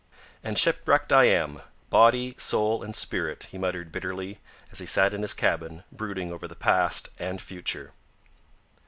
"And shipwrecked I am, body, soul, and spirit," he muttered, bitterly, as he sat in his cabin, brooding over the past and future.